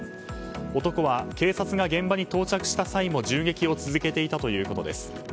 男は、警察が現場に到着した際も銃撃を続けていたということです。